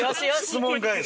質問返し。